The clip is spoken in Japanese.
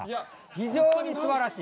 非常にすばらしい！